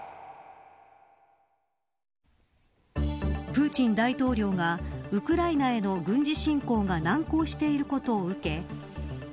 プーチン大統領がウクライナへの軍事侵攻が難航していることを受け